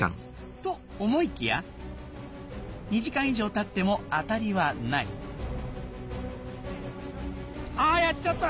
と思いきや２時間以上たってもあたりはないあやっちゃった。